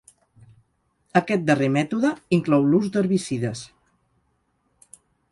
Aquest darrer mètode inclou l'ús d'herbicides.